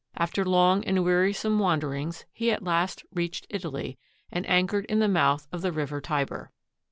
After long and wearisome wanderings he at last reached Italy, and anchored in the mouth of the river Tiber.